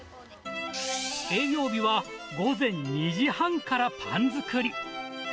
営業日は午前２時半からパン作り。